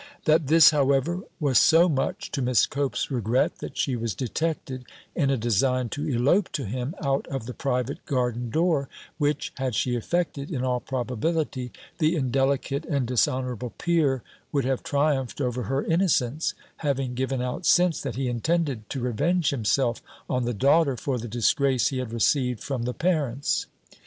That this however, was so much to Miss Cope's regret, that she was detected in a design to elope to him out of the private garden door; which, had she effected, in all probability, the indelicate and dishonourable peer would have triumphed over her innocence; having given out since, that he intended to revenge himself on the daughter, for the disgrace he had received from the parents.